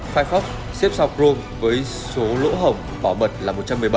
firefox xếp sau chrome với số lỗ hổng bảo mật là một trăm một mươi bảy